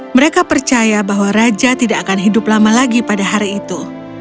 mereka percaya bahwa raja tidak akan hidup lama lagi pada hari itu